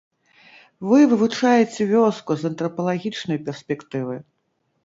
Вы вывучаеце вёску з антрапалагічнай перспектывы.